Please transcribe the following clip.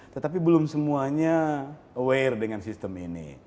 tetapi belum semuanya aware dengan sistem ini